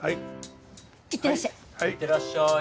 いってらっしゃい。